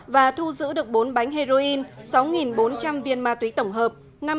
và thu giữ được bốn bánh heroin sáu bốn trăm linh viên ma túy tổng hợp